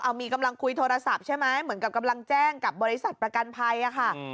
มีกำลังคุยโทรศัพท์ใช่ไหมเหมือนกับกำลังแจ้งกับบริษัทประกันภัยค่ะ